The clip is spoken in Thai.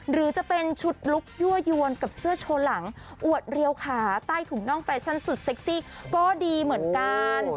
หรือจะเป็นชุดลุคยั่วยวนกับเสื้อโชว์หลังอวดเรียวขาใต้ถุงน่องแฟชั่นสุดเซ็กซี่ก็ดีเหมือนกัน